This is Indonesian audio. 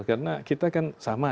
karena kita kan sama